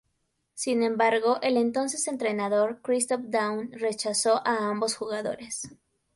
Sin embargo, el entonces entrenador Christoph Daum rechazó a ambos jugadores.